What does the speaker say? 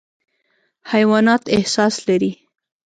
حیوانات احساس لري.